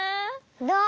どう？